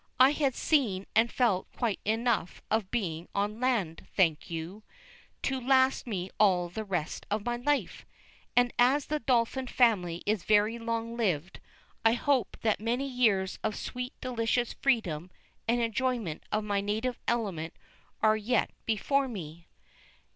I had seen and felt quite enough of being on land, thank you, to last me all the rest of my life. And as the Dolphin family is very long lived, I hope that many years of sweet, delicious freedom, and enjoyment of my native element, are yet before me.